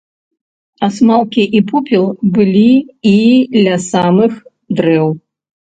Асмалкі і попел былі і ля самых дрэў.